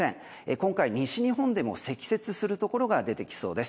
今回、西日本でも積雪するところが出てきそうです。